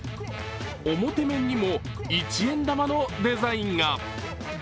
表面にも一円玉のデザインが。